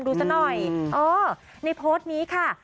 ซะหน่อยเออในโพสต์นี้ค่ะ